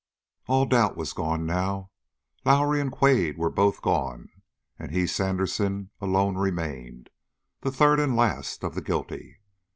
All doubt was gone now. Lowrie and Quade were both gone; and he, Sandersen, alone remained, the third and last of the guilty.